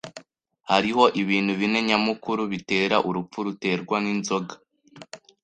Hariho ibintu bine nyamukuru bitera urupfu ruterwa n'inzoga.